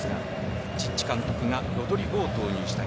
チッチ監督がロドリゴを投入した。